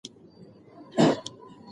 څوک غواړي چې په خیرات کې برخه واخلي؟